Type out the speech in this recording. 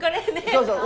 そうそう！